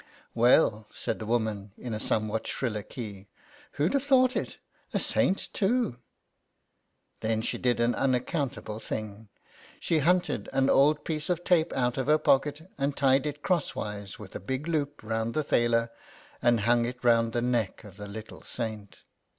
"Well," said the woman, in a somewhat shriller key, "who'd have thought it! A saint, too !" Then she did an unaccountable thing. She hunted an old piece of tape out of her pocket, and tied it crosswise, with a big loop, round the thaler, and hung it round the neck of the little Saint.